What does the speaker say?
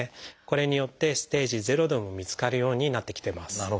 これによってステージ０でも見つかるようになってきてます。